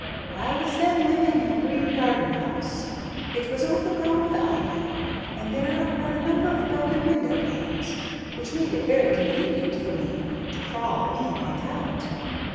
I was then living in a green garden house. It was overgrown with ivy, and there were a number of broken window panes, which made it very convenient for me to crawl in and out.